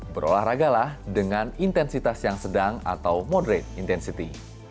berolahraga lah dengan intensitas yang sedang atau moderate intensity